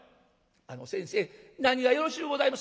「あの先生何がよろしゅうございます？」。